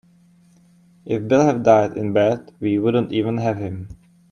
If Bill had died in bed we wouldn't even have him.